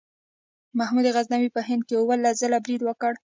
محمود غزنوي په هند اوولس ځله برید وکړ.